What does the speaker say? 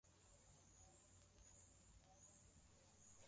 Na wengi walikuwa wanapenda kwenda Ubujiji na kujikuta wakijazana kwenye mji huo